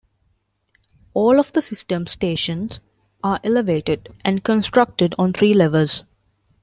All of the system's stations are elevated and constructed on three levels.